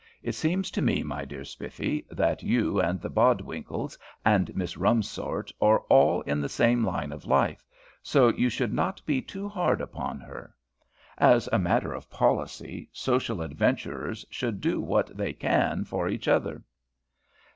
It seems to me, my dear Spiffy, that you and the Bodwinkles and Miss Rumsort are all in the same line of life, so you should not be too hard upon her. As a matter of policy, social adventurers should do what they can for each other."